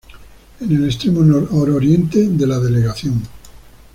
En el extremo nor-oriente de la delegación.